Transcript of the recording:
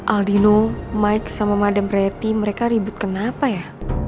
aldino mike sama madam pretty mereka ribut kenapa ya